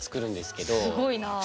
すごいなぁ。